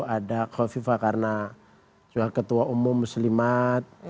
ada kofi fa karena ketua umum muslimat